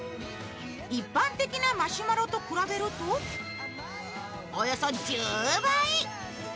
一般的なマシュマロと比べるとおよそ１０倍。